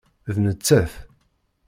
D nettat.